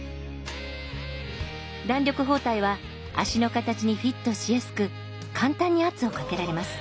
弾力包帯は足の形にフィットしやすく簡単に圧をかけられます。